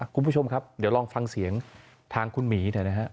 คุณผู้ชมครับเดี๋ยวลองฟังเสียงทางคุณหมีหน่อยนะฮะ